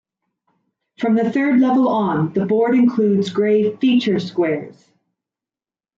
From the third level on, the board includes gray Feature Squares.